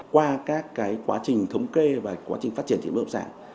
qua các quá trình thống kê và quá trình phát triển trị mức hợp sản